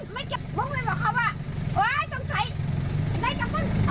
มันน่ะ